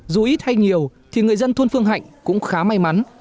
dù ít hay nhiều thì người dân thôn phương hạnh cũng khá may mắn